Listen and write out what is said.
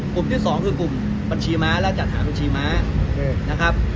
ที่สองคือกลุ่มบัญชีม้าและจัดหาบัญชีม้านะครับ